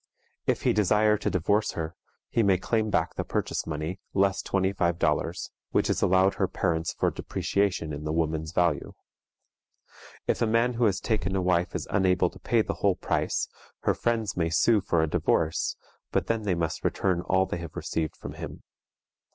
If he desire to divorce her, he may claim back the purchase money, less twenty five dollars, which is allowed her parents for depreciation in the woman's value. If a man who has taken a wife is unable to pay the whole price, her friends may sue for a divorce, but then they must return all they have received from him.